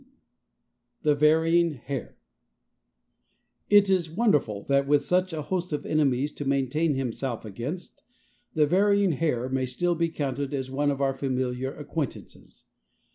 XLVI THE VARYING HARE It is wonderful that with such a host of enemies to maintain himself against, the varying hare may still be counted as one of our familiar acquaintances.